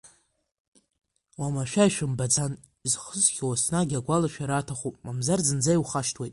Уамашәа ишәымбаӡан, изхысхьоу еснагь агәалашәара аҭахуп, мамзар зынӡа иухашҭуеит.